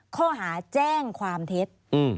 ข้อหาแจ้งความเท็จ